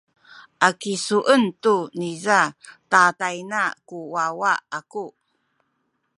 a kisuen tu niza tatayna ku wawa aku.